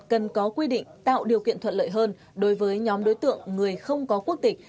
cần có quy định tạo điều kiện thuận lợi hơn đối với nhóm đối tượng người không có quốc tịch